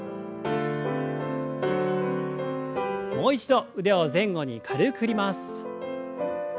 もう一度腕を前後に軽く振ります。